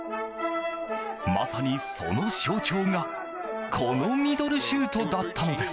まさに、その象徴がこのミドルシュートだったのです。